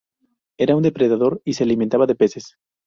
Era un depredador y se alimentaba de peces.